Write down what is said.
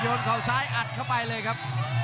เข่าซ้ายอัดเข้าไปเลยครับ